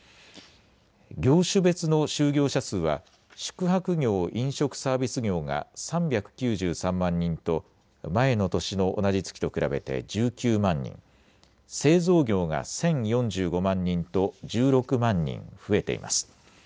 業種別の就業者数は宿泊業・飲食サービス業が３９３万人と前の年の同じ月と比べて１９万人、製造業が１０４５万人と１６万人増えています。